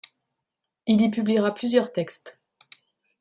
Il y publiera plusieurs textes.